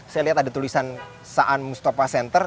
saya lihat ada tulisan saan mustafa center